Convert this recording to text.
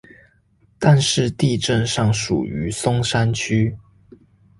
但是地政上屬於松山區